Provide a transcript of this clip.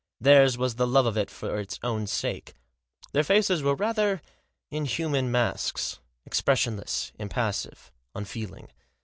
Theirs was the love of it for its own sake. Their faces were rather inhuman masks, expressionless, impassive, unfeeling.